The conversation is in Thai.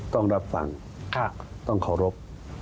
ต้องรับฟังต้องเคารพ